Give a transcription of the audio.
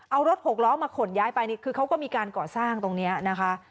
เอารถหกล้อมาขนย้ายไปนี่คือเขาก็มีการก่อสร้างตรงนี้นะคะ